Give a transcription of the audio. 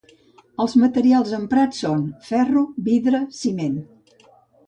Els materials emprats són: ferro, vidre, ciment.